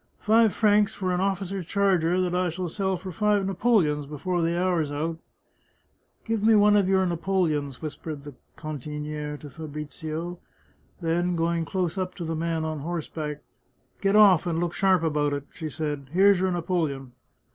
Five francs for an officer's charger that I shall sell for five napoleons before the hour's out !"" Give me one of your napoleons," whispered the can tiniere to Fabrizio ; then, going close up to the man on horseback, " Get off, and look sharp about it I " she said ;" here's your napoleon."